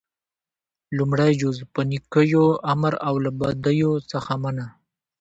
لومړی جز - په نيکيو امر او له بديو څخه منع: